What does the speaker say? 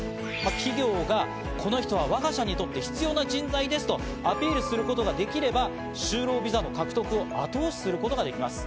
企業が、この人はわが社にとって必要な人材ですとアピールすることができれば就労ビザの獲得を後押しすることができます。